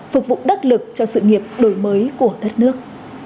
phục vụ đắc lực cho sự nghiệp đổi mới của đất nước